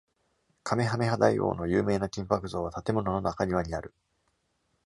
カメハメハ大王の有名な金箔像は、建物の中庭にある。